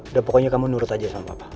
udah pokoknya kamu nurut aja sama papa